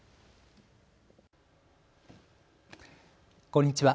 こんにちは。